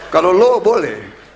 kalau low boleh